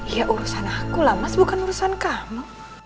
ya urusan aku lah mas bukan urusan kamu